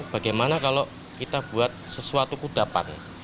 bagaimana kalau kita buat sesuatu kudapan